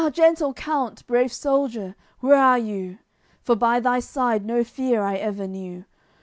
Gentle count, brave soldier, where are you? For By thy side no fear I ever knew.